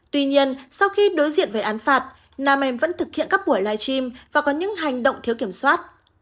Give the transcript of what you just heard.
tuy nhiên sau khi đối diện với án phạt nam em vẫn thực hiện các buổi live stream và có những hành động thiếu kiểm soát